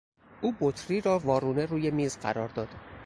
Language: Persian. او بطری را وارونه روی میز قرار داد